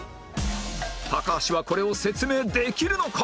高橋はこれを説明できるのか？